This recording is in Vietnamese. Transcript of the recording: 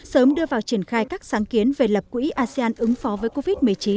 sớm đưa vào triển khai các sáng kiến về lập quỹ asean ứng phó với covid một mươi chín